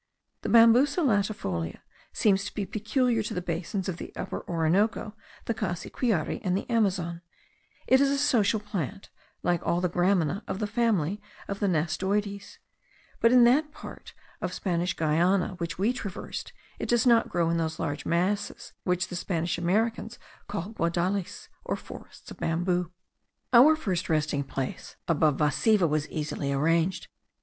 The Bambusa latifolia seems to be peculiar to the basins of the Upper Orinoco, the Cassiquiare, and the Amazon; it is a social plant, like all the gramina of the family of the nastoides; but in that part of Spanish Guiana which we traversed it does not grow in those large masses which the Spanish Americans call guadales, or forests of bamboos. Our first resting place above Vasiva was easily arranged.